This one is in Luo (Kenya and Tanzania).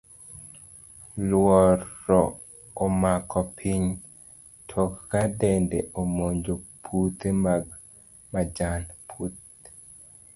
Luoro omako piny, tok ka dede omonjo puthe mag majan.